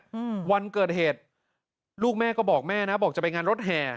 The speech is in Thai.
อืมวันเกิดเหตุลูกแม่ก็บอกแม่นะบอกจะไปงานรถแห่